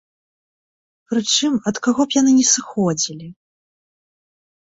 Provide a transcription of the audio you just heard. Прычым, ад каго б яны не сыходзілі.